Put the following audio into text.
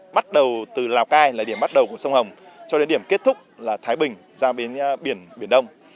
bắt đầu từ lào cai là điểm bắt đầu của sông hồng cho đến điểm kết thúc là thái bình ra bến biển đông